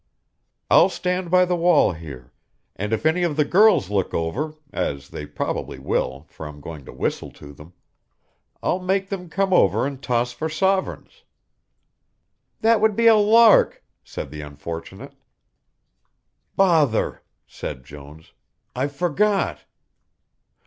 "I'll stand by the wall here, and if any of the girls look over, as they probably will, for I'm going to whistle to them, I'll make them come over and toss for sovereigns." "That would be a lark," said the unfortunate. "Bother," said Jones, "I've forgot."